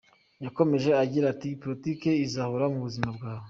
Yakomeje agira ati politiki izahora mu buzima bwawe.